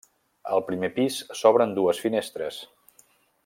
Al primer pis s'obren dues finestres.